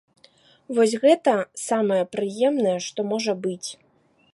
Вось гэта самае прыемнае, што можа быць.